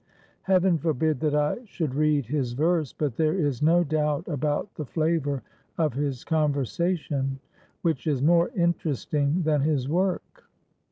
Heaven forbid that I should read his verse, but there is no doubt about the flavor of his con versation, which is more interesting than his work.